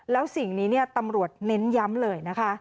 แล้วสิ่งนี้ตำรวจเน้นยังเลย